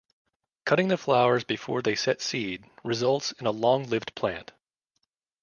Cutting the flowers before they set seed results in a long-lived plant.